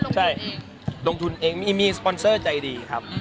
คือว่าลงทุนเองใช่ลงทุนเองมีสปอนเซอร์ใจดีครับ